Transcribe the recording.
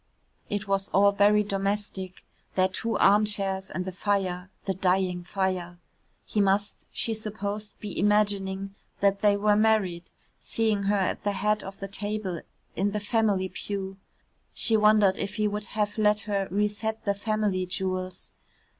It was all very domestic, their two armchairs and the fire the dying fire. He must, she supposed, be imagining that they were married, seeing her at the head of the table, in the family pew. She wondered if he would have let her re set the family jewels.